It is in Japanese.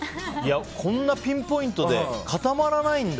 こんなピンポイントで固まらないんだ。